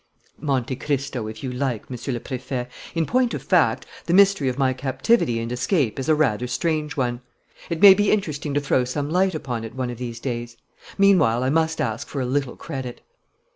"Monte Cristo, if you like, Monsieur le Préfet. In point of fact, the mystery of my captivity and escape is a rather strange one. It may be interesting to throw some light upon it one of these days. Meanwhile, I must ask for a little credit."